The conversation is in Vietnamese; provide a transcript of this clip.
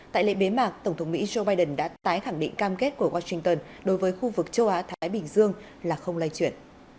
tại lễ bế mạc tổng thống mỹ joe biden đã tái khẳng định cam kết của washington đối với khu vực châu á thái bình dương là không lay chuyển